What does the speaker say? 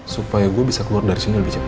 supaya gue bisa keluar dari sini lebih cepat